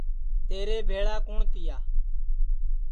تیرے بھیݪا کُوٹؔ تِیا